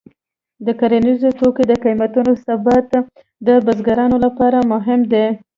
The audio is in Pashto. د کرنیزو توکو د قیمتونو ثبات د بزګرانو لپاره مهم دی.